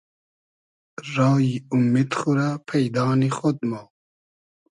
رایی اومید خو رۂ پݷدا نی خۉد مۉ